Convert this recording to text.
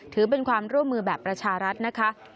ถือเป็นความร่วมมือแบบประชารัฐนะคะ